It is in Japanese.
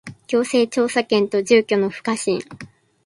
行政調査権と住居の不可侵